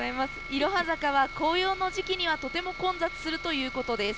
いろは坂は紅葉の時期にはとても混雑するということです。